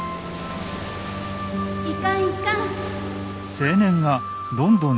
いかんいかん。